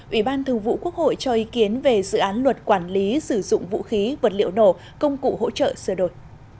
ủy ban thường vụ quốc hội cho ý kiến về dự án luật quản lý sử dụng vũ khí vật liệu nổ công cụ hỗ trợ sửa đổi